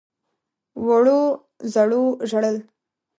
وړو _زړو ژړل.